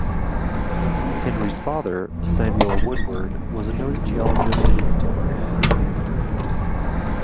Henry's father, Samuel Woodward, was a noted geologist and antiquary.